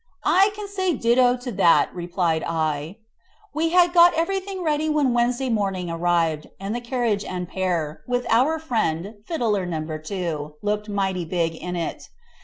"I can say ditto to that," replied I. We had got everything ready when Wednesday morning arrived, and the carriage and pair, with our friend, Fiddler No. 2, looking mighty big in it.